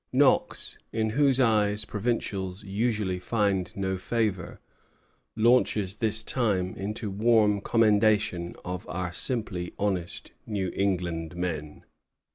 Knox, in whose eyes provincials usually find no favor, launches this time into warm commendation of "our simply honest New England men."